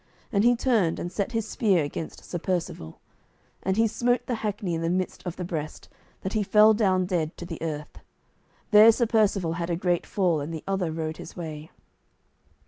And he turned, and set his spear against Sir Percivale; and he smote the hackney in the midst of the breast, that he fell down dead to the earth. There Sir Percivale had a great fall, and the other rode his way.